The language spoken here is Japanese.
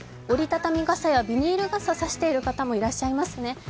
折り畳み傘やビニール傘を差している方もいらっしゃいます。